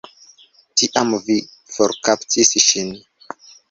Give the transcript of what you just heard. Tiam vi forkaptis ŝin.